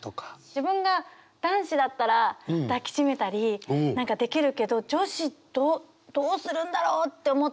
自分が男子だったら抱きしめたりできるけど女子どうするんだろうって思って。